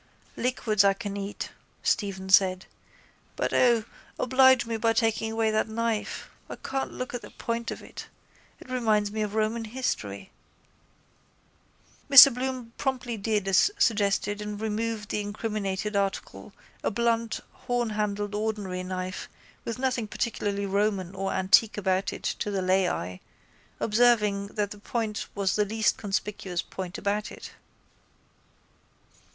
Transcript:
—Liquids I can eat, Stephen said. But O, oblige me by taking away that knife. I can't look at the point of it. It reminds me of Roman history. Mr Bloom promptly did as suggested and removed the incriminated article, a blunt hornhandled ordinary knife with nothing particularly Roman or antique about it to the lay eye, observing that the point was the least conspicuous point about it.